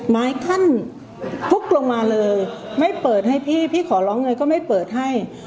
ไม้ขั้นพุกลงมาเลยไม่เปิดให้พี่พี่ขอร้องเงินก็ไม่เปิดให้